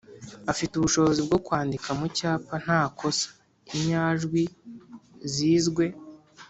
– afite ubushobozi bwo kwandika mu cyapa nta kosa inyajwi zizwe